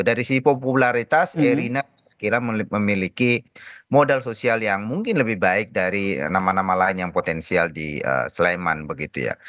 dari sisi popularitas gerindra memiliki modal sosial yang mungkin lebih baik dari nama nama lain yang potensial di sleman begitu ya